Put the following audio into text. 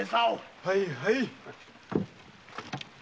はいはい！